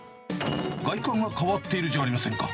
外観が変わっているじゃありませんか。